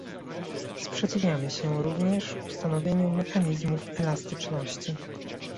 Sprzeciwiamy się również ustanowieniu mechanizmów elastyczności